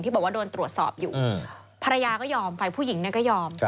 บอกว่าโดนตรวจสอบอยู่ภรรยาก็ยอมฝ่ายผู้หญิงก็ยอม